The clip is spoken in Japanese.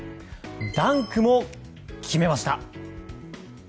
ダンクも決めました！